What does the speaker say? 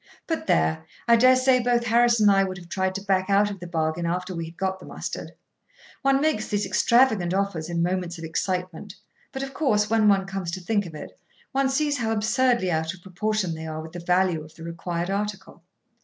But there! I daresay both Harris and I would have tried to back out of the bargain after we had got the mustard. One makes these extravagant offers in moments of excitement, but, of course, when one comes to think of it, one sees how absurdly out of proportion they are with the value of the required article.